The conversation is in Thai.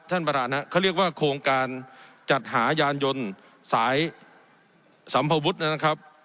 ท่านประธานครับเขาเรียกว่าโครงการจัดหายานยนต์สายสัมภวุฒินะครับ